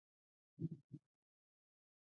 اضافي ارزښت به ورسره یو نیم سل میلیونه شي